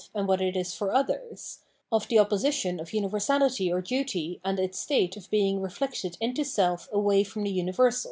and what it is for others, of the opposition of univer sality or duty and its state of being reflected into self away from the universal.